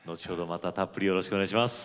またたっぷりよろしくお願いします。